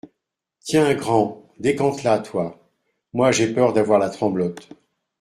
Tiens, grand, décante-la, toi. Moi j’ai peur d’avoir la tremblote.